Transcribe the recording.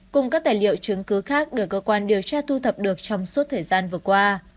cùng các tài liệu chứng cứ khác được cơ quan điều tra thu thập được trong suốt thời gian vừa qua